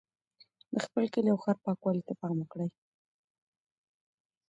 د خپل کلي او ښار پاکوالي ته پام وکړئ.